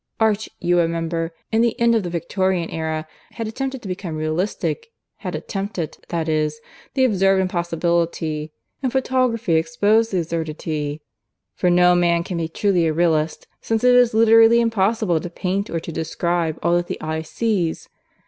"Art, you remember, in the end of the Victorian era had attempted to become realistic had attempted, that is, the absurdly impossible; and photography exposed the absurdity, For no man can be truly a realist, since it is literally impossible to paint or to describe all that the eye sees.